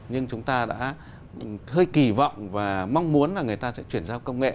nhưng chúng ta đã hơi kỳ vọng và mong muốn là người ta sẽ chuyển giao công nghệ